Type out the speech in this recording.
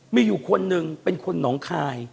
มีอยู่คนหนึ่งเป็นคนหนองคาย